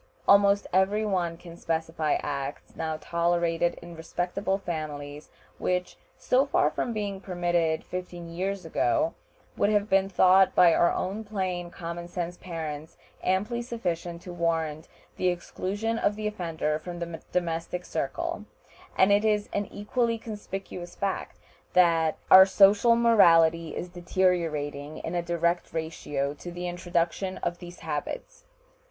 Almost every one can specify acts now tolerated in respectable families which, so far from being permitted fifteen years ago, would have been thought by our plain common sense parents amply sufficient to warrant the exclusion of the offender from the domestic circle; and it is an equally conspicuous fact that our social morality is deteriorating in a direct ratio to the introduction of these habits.